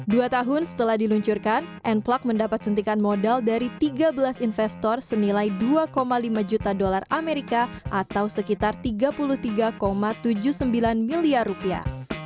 dua tahun setelah diluncurkan n plug mendapat suntikan modal dari tiga belas investor senilai dua lima juta dolar amerika atau sekitar tiga puluh tiga tujuh puluh sembilan miliar rupiah